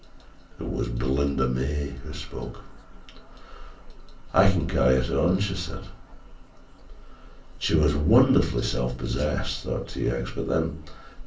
It was Belinda Mary who spoke. "I can carry it on," she said. She was wonderfully self possessed, thought T. X., but then T.